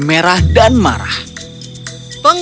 menjijikkan juga bagimu